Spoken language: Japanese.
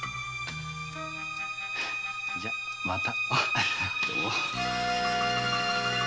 じゃまた。